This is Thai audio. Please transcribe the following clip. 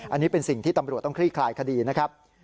อันนี้เป็นสิ่งที่ตำรวจต้องคลี่คลายคดีนะครับ